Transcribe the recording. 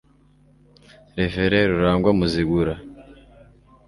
Reverien Rurangwa Muzigura